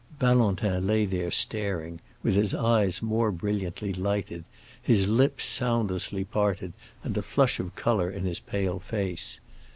Valentin lay there staring, with his eyes more brilliantly lighted, his lips soundlessly parted, and a flush of color in his pale face.